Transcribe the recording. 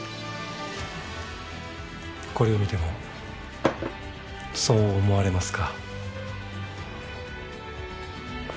これを見てもそう思われますか？